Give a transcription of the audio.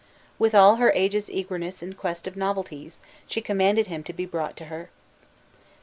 With all her age's eagerness in quest of novelties, she commanded him to be brought to her.